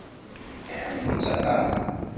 Iḥemmel-itt aṭas.